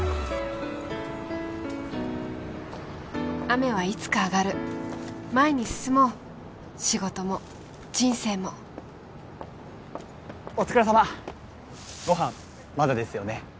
雨はいつか上がる前に進もう仕事も人生もお疲れさまご飯まだですよね